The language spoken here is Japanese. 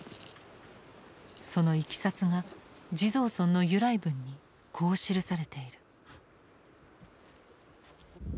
そのいきさつが地蔵尊の由来文にこう記されている。